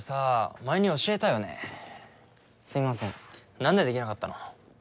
何でできなかったの？